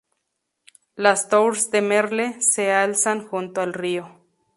Las Tours de Merle se alzan junto al río.